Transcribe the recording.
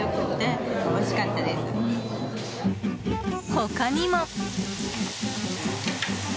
他にも。